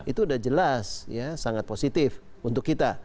itu sudah jelas ya sangat positif untuk kita